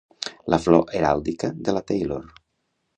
La flor heràldica de la Taylor.